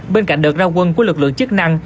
bên cạnh đợt ra quân của lực lượng chức năng